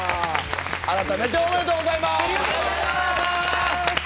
あらためておめでとうございます。